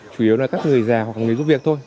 chủ yếu là các người già hoặc người giúp việc thôi